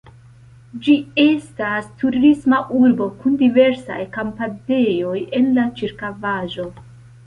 Ĝi estas turisma urbo kun diversaj kampadejoj en la ĉirkaŭaĵo.